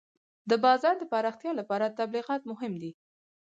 د بازار د پراختیا لپاره تبلیغات مهم دي.